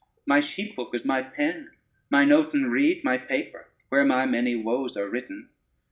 My sheephook is my pen, mine oaten reed My paper, where my many woes are written.